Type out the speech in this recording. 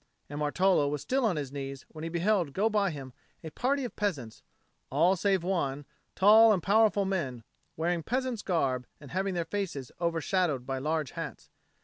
And Martolo was still on his knees when he beheld go by him a party of peasants, all, save one, tall and powerful men, wearing peasants' garb and having their faces overshadowed by large hats.